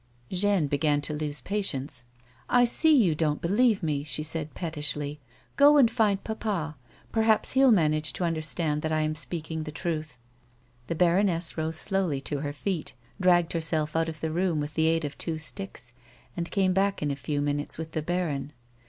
Jeanne began to lose patience. " I see you don't believe me," she said pettishly. " Go and find papa ; perhaps he'll manage to understand that I am speaking the truth." The baroness rose slowly to her feet, dragged herself out of the room with the aid of two sticks, and came back in a few minutes with the baron.